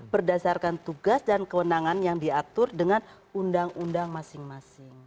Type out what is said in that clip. berdasarkan tugas dan kewenangan yang diatur dengan undang undang masing masing